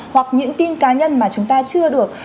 hoặc những tin cá nhân mà chúng ta chưa được